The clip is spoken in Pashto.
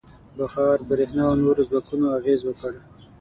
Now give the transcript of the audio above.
• بخار، برېښنا او نورو ځواکونو اغېز وکړ.